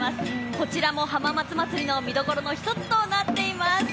こちらも浜松まつりの見どころの一つとなっています。